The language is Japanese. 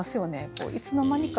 こういつの間にか。